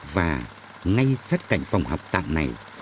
và ngay sát cạnh phòng học tạm này